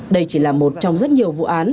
đây chỉ là một trong rất nhiều vụ án